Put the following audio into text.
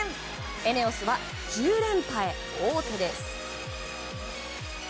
ＥＮＥＯＳは１０連覇へ王手です。